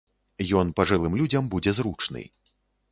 Ён пажылым людзям будзе зручны.